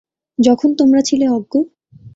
যখন তোমরা ছিলে অজ্ঞ?